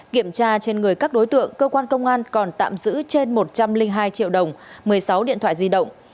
kiểm tra trên người các đối tượng cơ quan công an còn tạm giữ trên một trăm linh hai triệu đồng một mươi sáu điện thoại di động